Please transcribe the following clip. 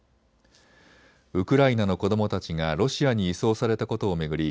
ウクライナの子どもたちがロシアに移送されたことを巡り